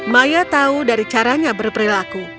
maya tahu dari caranya berperilaku